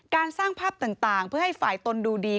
การสร้างภาพต่างเพื่อให้ฝ่ายตนดูดี